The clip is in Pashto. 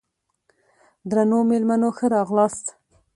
درنو مېلمنو ښه راغلاست!